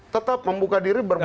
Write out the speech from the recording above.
tetap membuka diri